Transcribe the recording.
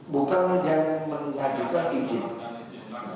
bukan yang mengajukan izin